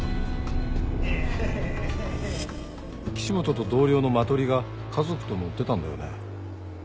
岸本と同僚のマトリが家族と乗ってたんだよね。